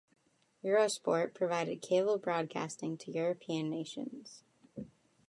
Eurosport provided cable broadcasting to European nations.